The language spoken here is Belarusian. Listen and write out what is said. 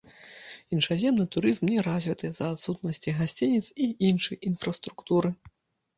Іншаземны турызм не развіты з-за адсутнасці гасцініц і іншай інфраструктуры.